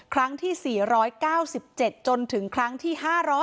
ครั้งที่๔๙๗จนถึงครั้งที่๕๐